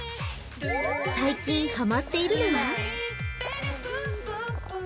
最近ハマっているのは？